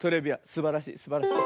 すばらしいすばらしい。